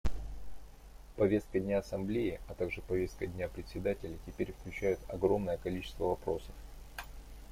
Повестка дня Ассамблеи, а также повестка дня Председателя теперь включают огромное количество вопросов.